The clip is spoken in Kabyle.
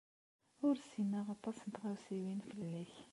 Ur ssineɣ aṭas n tɣawsiwin fell-ak.